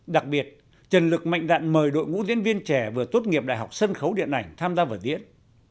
đặc biệt trần lực mạnh đạn mời đội ngũ diễn viên trẻ vừa tốt nghiệp đại học sân khấu điện ảnh tham gia vào diễn